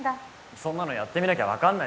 そんなのやってみなきゃ分かんないじゃん。